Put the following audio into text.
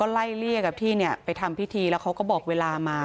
ก็ไล่เรียกกับที่เนี่ยไปทำพิธีแล้วเขาก็บอกเวลามา